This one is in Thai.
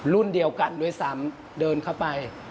รุ่นเดียวกันด้วยซ้ำเดินเข้าไป